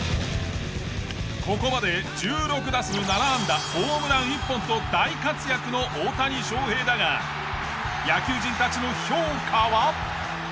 ここまで１６打数７安打ホームラン１本と大活躍の大谷翔平だが野球人たちの評価は。